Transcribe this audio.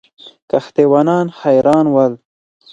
کښتۍ وانان حیران ول.